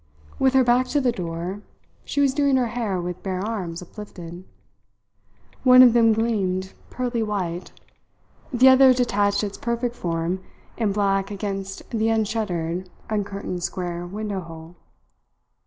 With her back to the door, she was doing her hair with bare arms uplifted. One of them gleamed pearly white; the other detached its perfect form in black against the unshuttered, uncurtained square window hole.